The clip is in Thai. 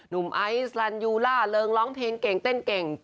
ไอซ์ลันยูล่าเริงร้องเพลงเก่งเต้นเก่ง